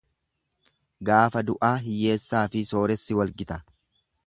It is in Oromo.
Gaafa du'aa hiyyeessaafi sooressi wal gita.